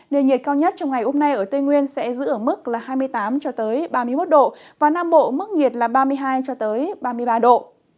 nơi nhiệt cao nhất trong ngày hôm nay ở tây nguyên sẽ giữ ở mức hai mươi tám cho tới ba mươi một độ và nam bộ mức nhiệt là ba mươi hai cho tới ba mươi ba độ